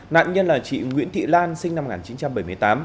nạn nhân là chị nguyễn thị lan sinh năm một nghìn chín trăm bảy mươi tám